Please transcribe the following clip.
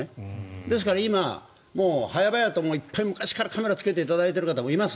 ですから今、早々といっぱい昔からカメラをつけている方もいます。